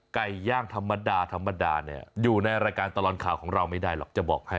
ไก่ย่างธรรมดาธรรมดาเนี่ยอยู่ในรายการตลอดข่าวของเราไม่ได้หรอกจะบอกให้